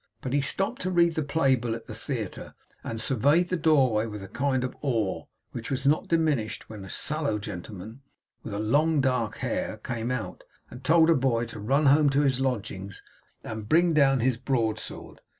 But he stopped to read the playbill at the theatre and surveyed the doorway with a kind of awe, which was not diminished when a sallow gentleman with long dark hair came out, and told a boy to run home to his lodgings and bring down his broadsword.